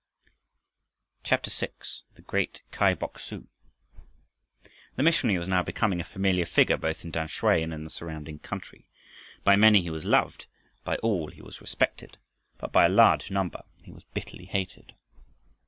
CHAPTER VI. THE GREAT KAI BOK SU The missionary was now becoming a familiar figure both in Tamsui and in the surrounding country. By many he was loved, by all he was respected, but by a large number he was bitterly hated.